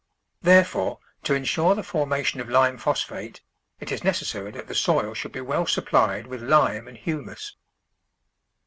Therefore, to insure the formation of lime phosphate, it is necessary that the soil should be well supplied with lime and humus.